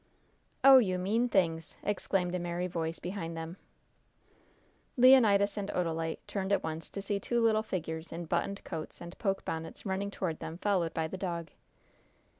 "Oh, you mean things!" exclaimed a merry voice behind them. Leonidas and Odalite turned at once to see two little figures in buttoned coats and poke bonnets running toward them, followed by the dog.